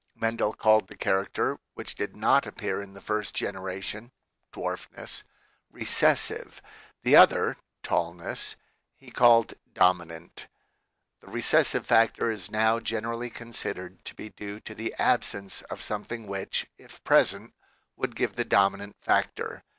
Mendel called the character, which did not appear in the first generation (dwarfness), "recessive"; the other (tall ness) he called "dominant." The recessive factor is now generally considered to be due to the absence of something which, if present, would give the dominant factor.